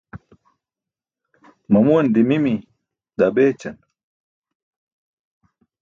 Mamuwan dimimi daa beećan.